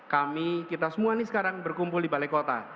kami kita semua ini sekarang berkumpul di balai kota